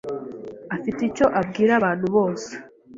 afite icyo abwira abantu bose.